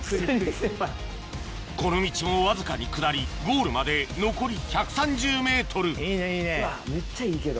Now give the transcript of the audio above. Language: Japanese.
この道もわずかに下りゴールまで残り１３０ｍいいねいいね。